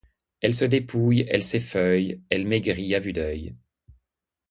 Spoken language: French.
Elle se dépouille, elle s’effeuille, elle maigrit à vue d’œil.